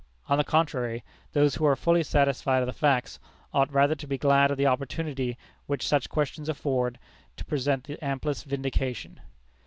On the contrary, those who are fully satisfied of the facts, ought rather to be glad of the opportunity which such questions afford, to present the amplest vindication.